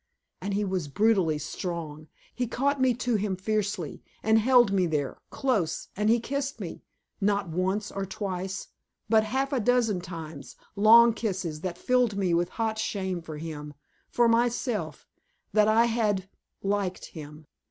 And he was brutally strong; he caught me to him fiercely, and held me there, close, and he kissed me not once or twice, but half a dozen times, long kisses that filled me with hot shame for him, for myself, that I had liked him.